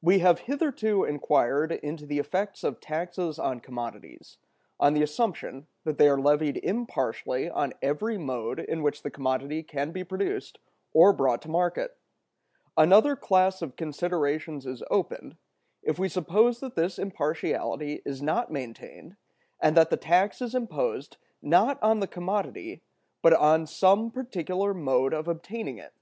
We have hitherto inquired into the effects of taxes on commodities, on the assumption that they are levied impartially on every mode in which the commodity can be produced or brought to market. Another class of considerations is opened, if we suppose that this impartiality is not maintained, and that the tax is imposed, not on the commodity, but on some particular mode of obtaining it.